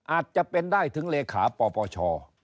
อาจจะเป็นได้ถึงเลขาปปช